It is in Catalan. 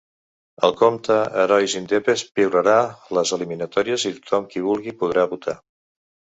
El compte Herois indepes piularà les eliminatòries i tothom qui vulgui podrà votar.